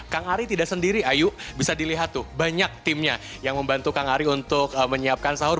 kang ari tidak sendiri ayu bisa dilihat tuh banyak timnya yang membantu kang ari untuk menyiapkan sahur